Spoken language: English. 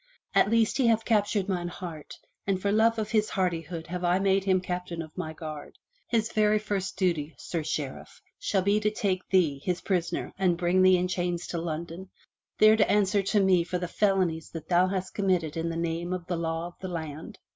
At least he hath captured mine heart, and for love of his hardihood have I made him Captain of my guard. His very first duty. Sir Sheriff, shall be to take thee his prisoner and bring thee in chains to London, there to answer to me for the felonies thou hast committed in the name of the law of the land.'